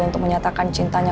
untuk menyatakan cintanya